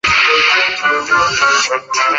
卫玠人。